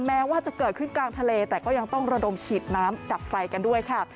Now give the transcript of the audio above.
แม้ว่าจะเกิดขึ้นกลางทะเลแต่ก็ยังต้องระดมฉีดน้ำดับไฟกันด้วยค่ะ